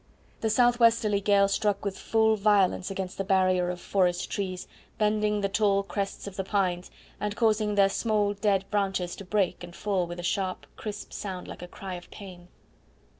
The south westerly gale struck with full violence against the barrier of forest trees, bending the tall crests of the pines and causing their small dead branches to break and fall with a sharp, crisp sound like a cry of pain.